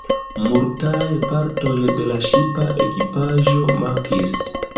Multaj partoj de la ŝipa ekipaĵo mankis.